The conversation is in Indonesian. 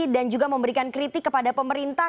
dan juga memberikan kritik kepada pemerintah